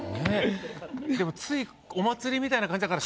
でもついお祭りみたいな感じだから。